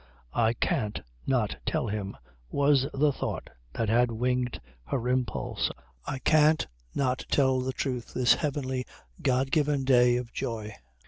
"I can't not tell him," was the thought that had winged her impulse, "I can't not tell the truth this heavenly, God given day of joy."